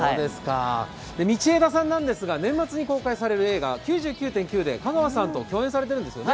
道枝さんなんですが、年末に公開される映画「９９．９」で香川さんと共演されてるんですよね。